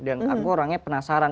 dan aku orangnya penasaran